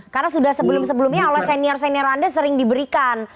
karena sudah sebelum sebelumnya oleh senior senior anda sering diberikan